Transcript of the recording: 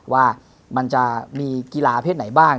ว่ามันจะมีกีฬาเพศไหนบ้าง